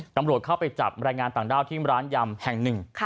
ตำรวจเข้าไปจับแรงงานต่างด้าวที่ร้านยำแห่งหนึ่ง